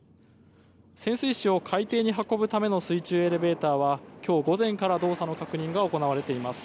潜水士を海底に運ぶための水中エレベーターは今日午前から動作の確認が行われています。